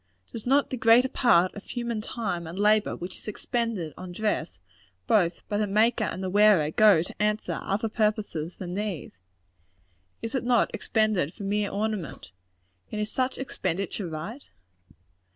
Does not the greater part of human time and labor which is expended on dress, both by the maker and the wearer, go to answer other purposes than these? Is it not expended for mere ornament? And is such an expenditure right?